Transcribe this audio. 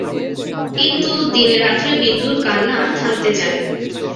কিন্তু, দিনরাত্রে বিন্দুর কান্না আর থামতে চায় না।